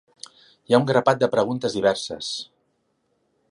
Hi ha un grapat de preguntes diverses.